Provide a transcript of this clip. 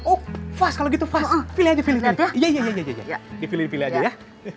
oh fast kalau gitu fast pilih aja ya